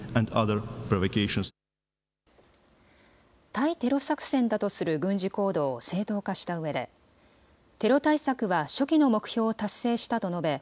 対テロ作戦だとする軍事行動を正当化したうえでテロ対策は所期の目標を達成したと述べ